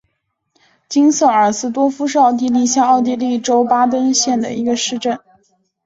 金瑟尔斯多夫是奥地利下奥地利州巴登县的一个市镇。